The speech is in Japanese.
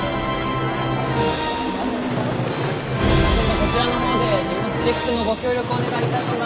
こちらの方で荷物チェックのご協力をお願いいたします。